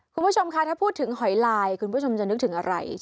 คุณผู้ชมคะถ้าพูดถึงหอยลายคุณผู้ชมจะนึกถึงอะไร